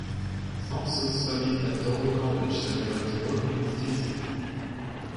Thompson studied at Dover College then went to work in the theatre.